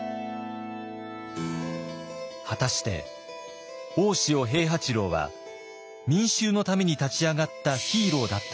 果たして大塩平八郎は民衆のために立ち上がったヒーローだったのか？